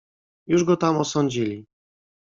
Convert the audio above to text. "Już go tam osądzili."